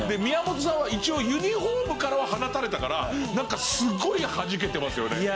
宮本さんは一応ユニホームからは放たれたからなんかすごいはじけてますよね。